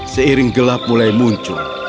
seiring gelap mulai muncul